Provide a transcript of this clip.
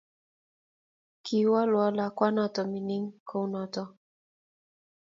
Kiwol lakwanoto noto mining kounoto